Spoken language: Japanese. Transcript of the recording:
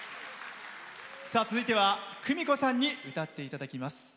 続いてはクミコさんに歌っていただきます。